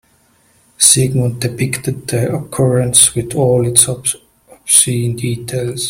Sigmund depicted the occurrence with all its obscene details.